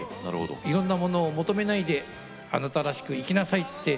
いろんなものを求めないであなたらしくいきなさいって。